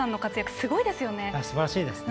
すばらしいですね。